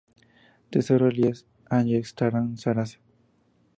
Tesorero: Elías Ayestarán Sarasa.